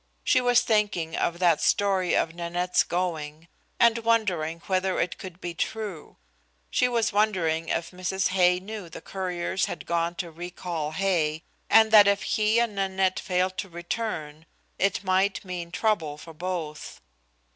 She was thinking of that story of Nanette's going, and wondering whether it could be true. She was wondering if Mrs. Hay knew the couriers had gone to recall Hay, and that if he and Nanette failed to return it might mean trouble for both.